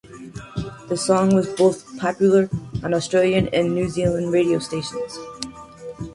The song was both popular on Australian and New Zealand radio stations.